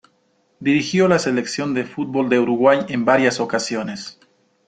Dirigió a la Selección de fútbol de Uruguay en varias ocasiones.